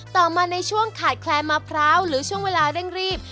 ต่อมาในช่วงขาดแคลนมะพร้าวหรือช่วงเวลาเร่งรีบ